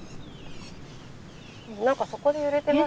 何かそこで揺れてますね。